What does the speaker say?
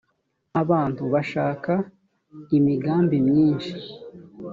abantu bashaka imigambi myinshi